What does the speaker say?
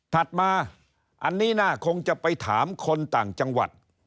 ถัดมาอันนี้น่าคงจะไปถามคนต่างจังหวัด